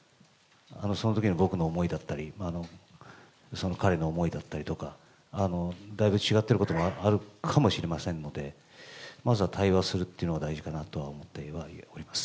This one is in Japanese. そのときの僕の思いだったり、彼の思いだったりとか、だいぶ違ってることもあるかもしれませんので、まずは対話するというのが大事かなと思っています。